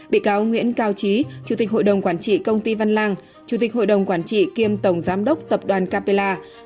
bị cáo nguyễn cao trí chủ tịch hội đồng quản trị công ty văn lang chủ tịch hội đồng quản trị kiêm tổng giám đốc tập đoàn capella